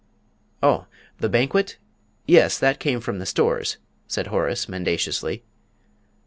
"Oh, the banquet? Yes, that came from the Stores," said Horace, mendaciously.